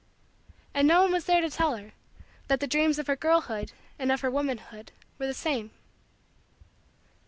And no one was there to tell her that the dreams of her girlhood and of her womanhood were the same.